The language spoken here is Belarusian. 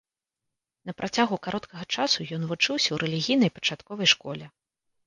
На працягу кароткага часу ён вучыўся ў рэлігійнай пачатковай школе.